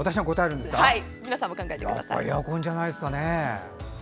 やっぱりエアコンじゃないですかね。